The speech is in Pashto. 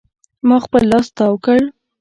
ما خپل لاس تاو کړ.